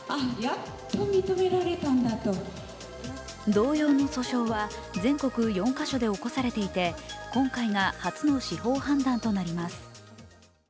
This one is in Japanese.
同様の訴訟は全国４か所で起こされていて今回が初の司法判断となります。